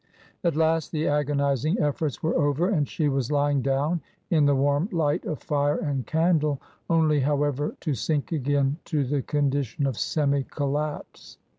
At last the agonizing efforts were over and she was lying down in the warm light of fire and candle :— only, however^ to sink again to the condition of semi collapse.